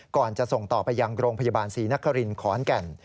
ก่อนจะส่งต่อไปยังโรงพยาบาลศรีนครินขอนแก่น